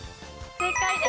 正解です。